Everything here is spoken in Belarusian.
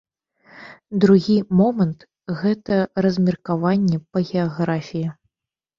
Другі момант, гэта размеркаванне па геаграфіі.